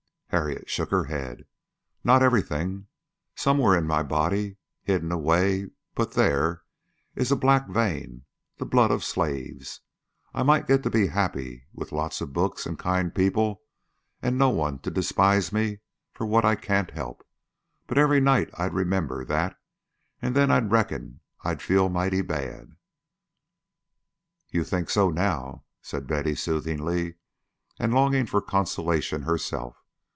Harriet shook her head. "Not everything. Somewhere in my body, hidden away, but there, is a black vein, the blood of slaves. I might get to be happy with lots of books and kind people and no one to despise me for what I can't help, but every night I'd remember that, and then I reckon I'd feel mighty bad." "You think so now," said Betty, soothingly, and longing for consolation herself.